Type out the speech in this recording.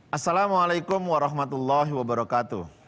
assalamualaikum warahmatullahi wabarakatuh